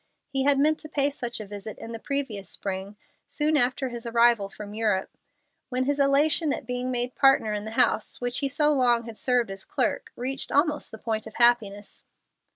He had meant to pay such a visit in the previous spring, soon after his arrival from Europe, when his elation at being made partner in the house which he so long had served as clerk reached almost the point of happiness.